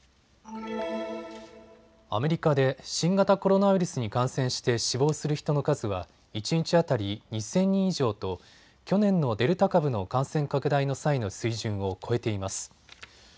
アメリカで新型コロナウイルスに感染して死亡する人の数は一日当たり２０００人以上と去年のデルタ株の感染拡大の際の水準を超えています。